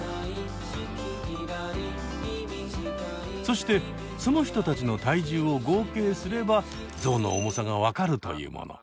そしてその人たちの体重を合計すればゾウの重さが分かるというもの。